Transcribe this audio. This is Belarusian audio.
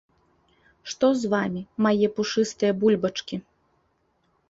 Што з вамі, мае пушыстыя бульбачкі?